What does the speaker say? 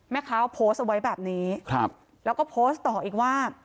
แม่ค้าโพสต์เอาไว้แบบนี้แล้วก็โพสต์ต่ออีกว่า